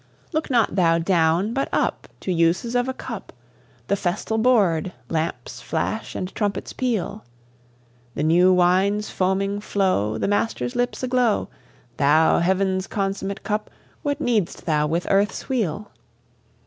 Look not thou down but up! To uses of a cup, The festal board, lamp's flash and trumpet's peal, The new wine's foaming flow, The master's lips aglow! Thou, heaven's consummate cup, what need'st thou with earth's wheel?